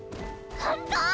ほんと？